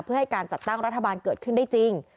เพื่อให้การจัดตั้งรัฐบาลเกิดขึ้นได้จริง